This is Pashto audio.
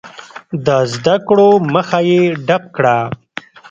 د زده کړو مخه یې ډپ کړه.